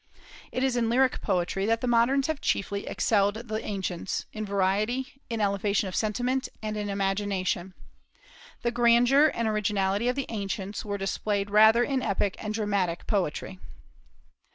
It is in lyric poetry that the moderns have chiefly excelled the ancients, in variety, in elevation of sentiment, and in imagination. The grandeur and originality of the ancients were displayed rather in epic and dramatic poetry.